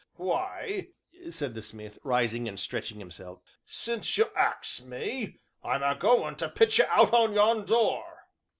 "Why," said the smith, rising and stretching himself, "since you ax me, I'm a goin' to pitch you out o' yon door."